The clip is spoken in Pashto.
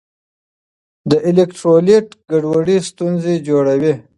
د الیکټرولیټ ګډوډي ستونزې جوړوي.